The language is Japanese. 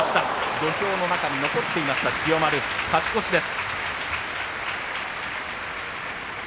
土俵の中に残っていました千代丸勝ち越しです。